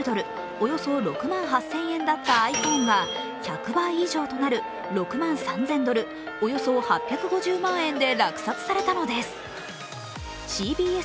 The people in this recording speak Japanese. およそ６万８０００円だったｉＰｈｏｎｅが１００倍以上となる６万３０００ドル、およそ８５０万円で落札されたのですＣＢＳ